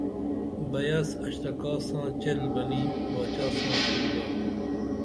بیاس اشتراکا ساں چیل بنی باچا ساں کُل گا